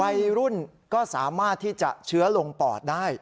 วัยรุ่นก็สามารถที่จะเชื้อลงปอดได้